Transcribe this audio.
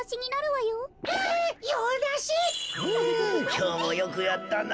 きょうもよくやったな。